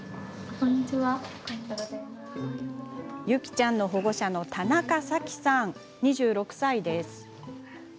ユキちゃんの保護者の田中咲さん、２６歳です。